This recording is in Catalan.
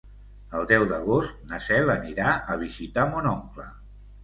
El deu d'agost na Cel anirà a visitar mon oncle.